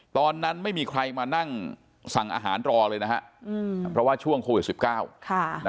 ตอนนั้นไม่มีใครมานั่งสั่งอาหารรอเลยนะฮะเพราะว่าช่วงโควิด๑๙